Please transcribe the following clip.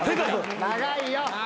長いよ。